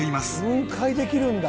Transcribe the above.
雲海できるんだ。